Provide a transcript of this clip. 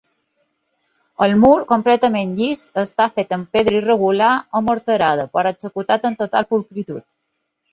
El mur, completament llis, està fet amb pedra irregular amorterada, però executat amb total pulcritud.